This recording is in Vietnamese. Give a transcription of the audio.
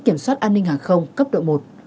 kiểm soát an ninh hàng không cấp độ một